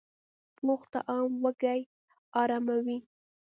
پوخ طعام وږې اراموي